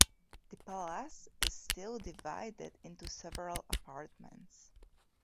The palace is still divided into several apartments.